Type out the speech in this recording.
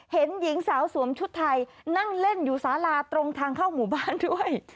เห็นหญิงสาวสวมชุดไทยนั่งเล่นอยู่สาลาตรงทางเข้าหมู่บ้านด้วย